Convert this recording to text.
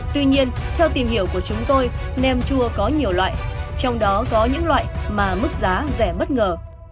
tuy nhiên theo tìm hiểu của chúng tôi nem chua có nhiều loại trong đó có những loại mà mức giá rẻ bất ngờ